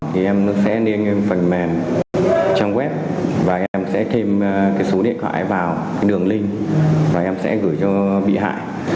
thì em sẽ niêm phần mềm trang web và em sẽ thêm cái số điện thoại vào đường link và em sẽ gửi cho bị hại